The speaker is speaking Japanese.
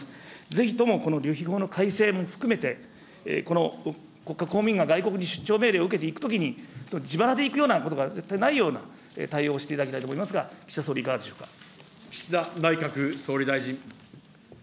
ぜひともこの旅費法の改正も含めて、この国家公務員が外国に出張命令を受けて行くときに、自腹で行くようなことが絶対ないような、対応をしていただきたいと思いますが、岸田総理、いかがでしょう岸田内閣総理大臣。